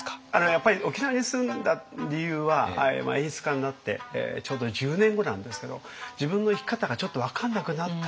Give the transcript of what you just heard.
やっぱり沖縄に住んだ理由は演出家になってちょうど１０年後なんですけど自分の生き方がちょっと分かんなくなった。